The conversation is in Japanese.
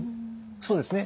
そうですね。